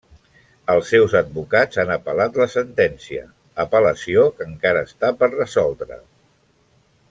Els seus advocats han apel·lat la sentència, apel·lació que encara està per resoldre.